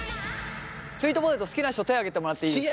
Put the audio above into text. スイートポテト好きな人手挙げてもらっていいですか？